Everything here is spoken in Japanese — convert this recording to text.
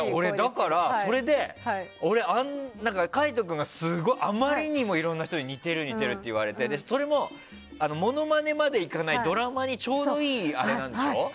だから、それで俺、海人君があまりにもいろんな人に似てる、似てるって言われててそれもモノマネまでいかないドラマにちょうどいいあれなんでしょ？